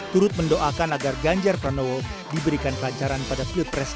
turut mendoakan agar ganjar pranowo diberikan pelajaran pada pilpres dua ribu sembilan